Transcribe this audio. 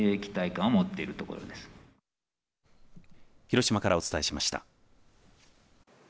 広島からお伝えしました。